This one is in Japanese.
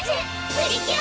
プリキュア！